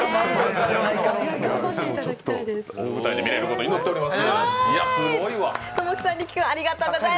大舞台で見れることを祈っています。